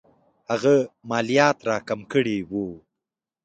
هغه مالیات را کم کړي وو.